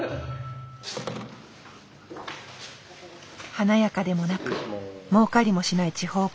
華やかでもなく儲かりもしない地方プロレス。